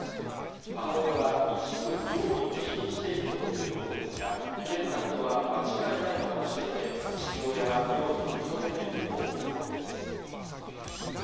母親は、一部、容疑を否認しているということですが、蹴ったことは間違いないと話していて、父親は容疑を認めているということです。